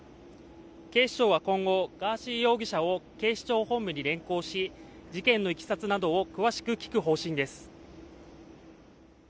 警視庁は今後、ガーシー容疑者を警視庁本部に連行し、事件のいきさつなどを詳しく聴く方針です。